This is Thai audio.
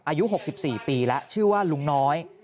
อายุ๖๔ปีแล้วชื่อว่าลุงน้อย